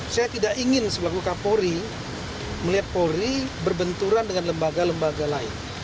saya tidak ingin sebagai kapolri melihat polri berbenturan dengan lembaga lembaga lain